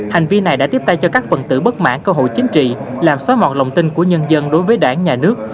hành vi này đã tiếp tay cho các phần tử bất mãn cơ hội chính trị làm xói mọt lòng tin của nhân dân đối với đảng nhà nước